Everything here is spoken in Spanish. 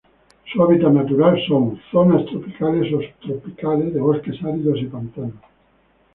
Su hábitat natural son: zonas tropicales o subtropicales, de bosques áridos y pantanos